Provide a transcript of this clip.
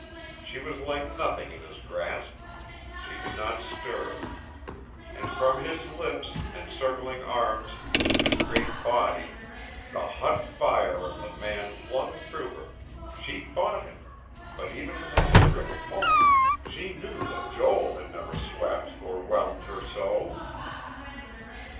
She was like nothing in his grasp; she could not stir.... And from his lips, and circling arms, and great body the hot fire of the man flung through her.... She fought him.... But even in that terrific moment she knew that Joel had never swept or whelmed her so....